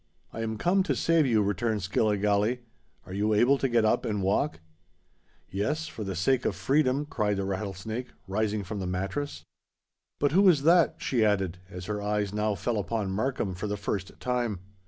"I am come to save you," returned Skilligalee. "Are you able to get up and walk?" "Yes—for the sake of freedom," cried the Rattlesnake, rising from the mattress. "But who is that?" she added, as her eyes now fell upon Markham for the first time.